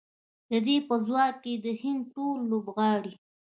د دې په ځواب کې د هند ټول لوبغاړي